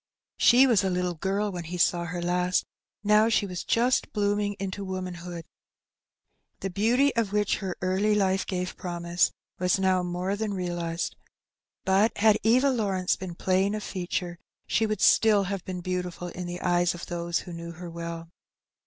She was a little girl when he saw her last, now she was just blooming into womanhood. The beauty, of which her early life gave promise, was now more than realized. But had Eva Lawrence been plain of feature, she would still have been beautiful in the eyes of those who knew her well.